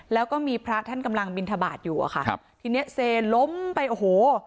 แล้วก็มีพระท่านกำลังบินทบาทอยู่อะค่ะครับทีเนี้ยเซล้มไปโอ้โห